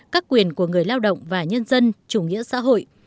các quyền của người lao động và nhân dân chủ nghĩa xã hội